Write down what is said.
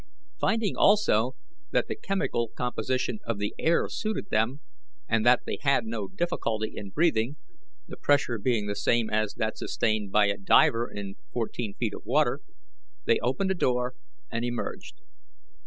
Finding also that the chemical composition of the air suited them, and that they had no difficulty in breathing, the pressure being the same as that sustained by a diver in fourteen feet of water, they opened a door and emerged.